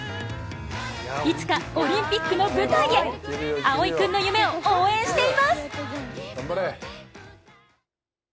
いつかオリンピックの舞台へ葵君の夢を応援しています。